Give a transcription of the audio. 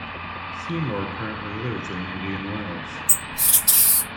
Seymour currently lives in Indian Wells.